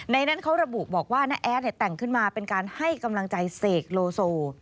นั้นเขาระบุบอกว่าน้าแอดแต่งขึ้นมาเป็นการให้กำลังใจเสกโลโซ